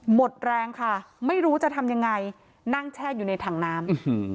หมดแรงค่ะไม่รู้จะทำยังไงนั่งแช่อยู่ในถังน้ำ